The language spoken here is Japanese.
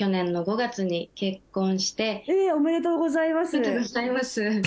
ありがとうございます。